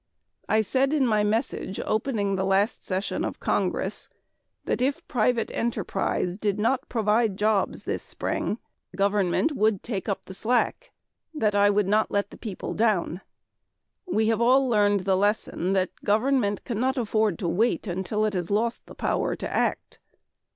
I said in my message opening the last session of the Congress that if private enterprise did not provide jobs this spring, government would take up the slack that I would not let the people down. We have all learned the lesson that government cannot afford to wait until it has lost the power to act.